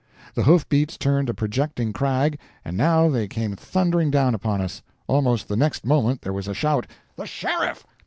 The hoof beats turned a projecting crag, and now they came thundering down upon us. Almost the next moment there was a shout "The sheriff!"